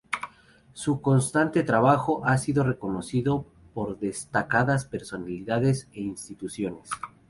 Su constante trabajo ha sido reconocido por destacadas personalidades e instituciones.